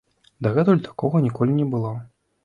Дагэтуль такога ніколі не было.